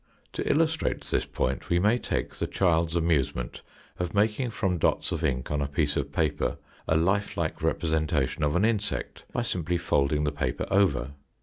To illustrate this point we may take the child's amusement of making from dots of ink on a piece of paper a life like repre sentation of an insect by simply folding the paper over.